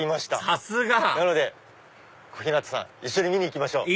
さすが！なので小日向さん一緒に見に行きましょう。